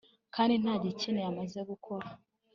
kandi ntagikeneye amaze gukura